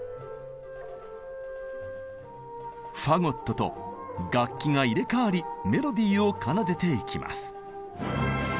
と楽器が入れ代わりメロディーを奏でていきます。